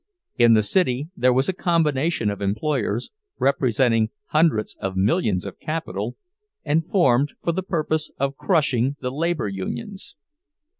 In the city there was a combination of employers, representing hundreds of millions of capital, and formed for the purpose of crushing the labor unions.